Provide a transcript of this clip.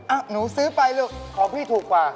หนูซื้อไปลูกของพี่ถูกกว่า